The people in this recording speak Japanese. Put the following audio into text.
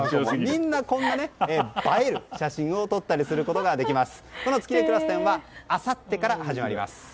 みんな、この映える写真を撮ったりすることができます。